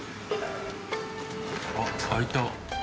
あっ開いた。